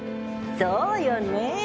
そうよね。